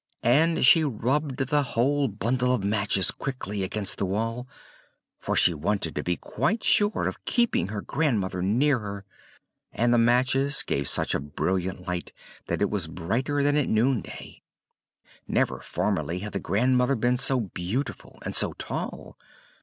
And she rubbed the whole bundle of matches quickly against the wall, for she wanted to be quite sure of keeping her grandmother near her. And the matches gave such a brilliant light that it was brighter than at noon day: never formerly had the grandmother been so beautiful and so tall.